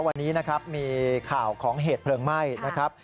วันนี้นะครับมีข่าวของเหตุเพลิงไหม้นะครับ